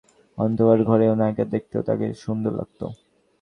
Cinema দেখতে যেতো না, তো অন্ধকার ঘরেও নায়িকার থেকেও তাকে সুন্দর লাগতো।